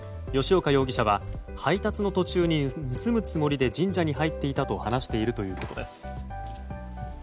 吉岡容疑者は配達の途中に盗むつもりで神社に入っていたと話しているということです。